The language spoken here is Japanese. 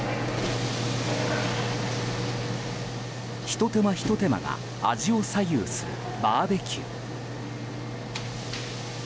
ひと手間ひと手間が味を左右するバーベキュー。